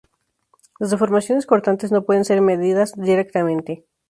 Las deformaciones cortantes no pueden ser medidas directamente.